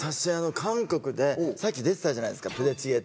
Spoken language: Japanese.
韓国で出てたじゃないですかプデチゲ。